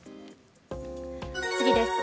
次です。